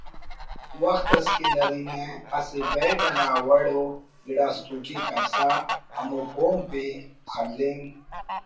وخت اس کہ نرینہ اسہ بیڈ انا وڑ ءُ گڑاس دوٹی کرسا ہمو پومپءِ خلنگ